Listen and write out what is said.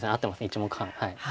１目半。